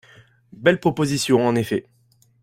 Belle proposition en effet